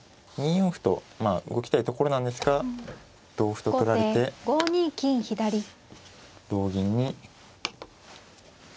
２四歩と動きたいところなんですが同歩と取られて同銀に。